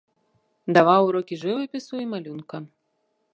Даваў урокі жывапісу і малюнка.